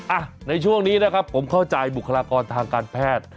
อ่ะในช่วงนี้นะครับผมเข้าใจบุคลากรทางการแพทย์